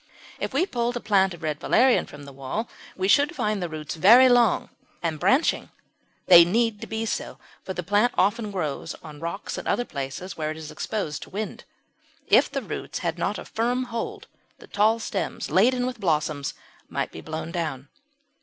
If we pulled a plant of Red Valerian from the wall we should find the roots very long and branching; they need to be so, for the plant often grows on rocks and other places where it is exposed to wind. If the roots had not a firm hold the tall stems laden with blossoms might be blown down.